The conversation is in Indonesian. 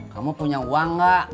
kamu punya uang enggak